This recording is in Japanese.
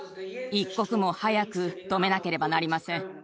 一刻も早く止めなければなりません。